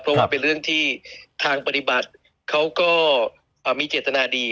เพราะว่าเป็นเรื่องที่ทางปฏิบัติเขาก็มีเจตนาดี